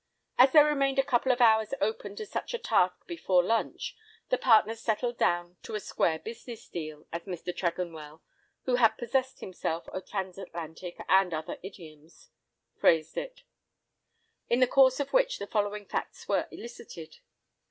As there remained a couple of hours open to such a task before lunch, the partners settled down to a "square business deal," as Mr. Tregonwell (who had possessed himself of trans Atlantic and other idioms) phrased it; in the course of which the following facts were elicited.